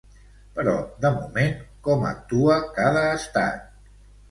Però de moment, com actua cada estat?